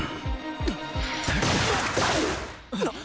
あっ！